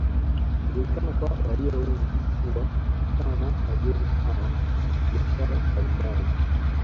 Inajulikana kwa walio wengi kuwa kutokana na wageni hawa biashara mbalimbali